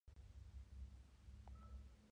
Participó en más de cincuenta hechos de armas.